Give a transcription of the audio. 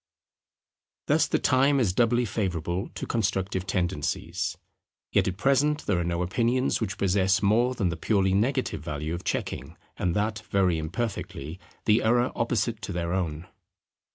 Thus the time is doubly favourable to constructive tendencies; yet at present there are no opinions which possess more than the purely negative value of checking, and that very imperfectly, the error opposite to their own.